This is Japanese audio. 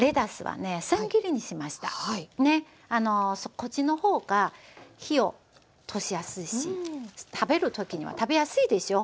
こっちの方が火を通しやすいし食べる時には食べやすいでしょう？